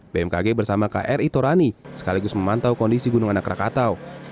bmkg bersama kri torani sekaligus memantau kondisi gunung anak rakatau